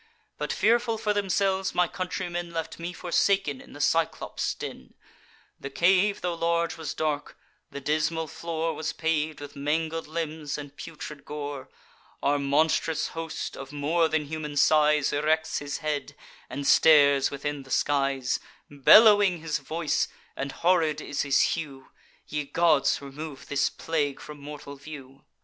But, fearful for themselves, my countrymen Left me forsaken in the Cyclops' den. The cave, tho' large, was dark; the dismal floor Was pav'd with mangled limbs and putrid gore. Our monstrous host, of more than human size, Erects his head, and stares within the skies; Bellowing his voice, and horrid is his hue. Ye gods, remove this plague from mortal view!